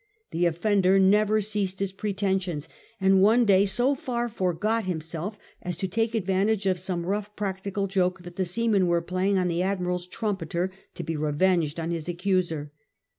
The offender never ceased his pretensions, and one day so far forgot him self as to take advantage of some rough practical joke that the seamen were playing on the Admiral's trumpeter, to be revenged on his accuser.